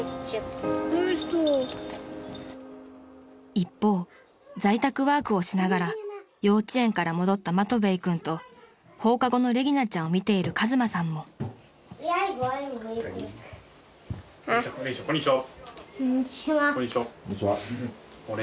［一方在宅ワークをしながら幼稚園から戻ったマトヴェイ君と放課後のレギナちゃんを見ている和真さんも］こんにちは。